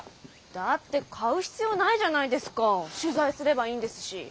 だって買う必要ないじゃないですか取材すればいいんですし。